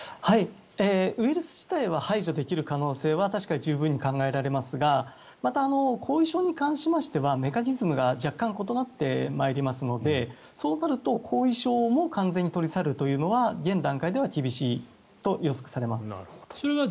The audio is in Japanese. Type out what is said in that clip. ウイルス自体は排除できる可能性は確かに十分に考えられますがまた、後遺症に関しましてはメカニズムが若干異なってまいりますのでそうなると、後遺症も完全に取り去るというのは現段階では厳しいと予測されます。